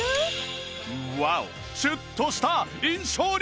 シュッとした印象に！